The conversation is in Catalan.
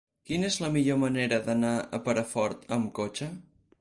Quina és la millor manera d'anar a Perafort amb cotxe?